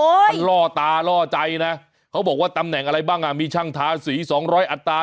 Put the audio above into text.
มันล่อตาล่อใจนะเขาบอกว่าตำแหน่งอะไรบ้างอ่ะมีช่างทาสีสองร้อยอัตรา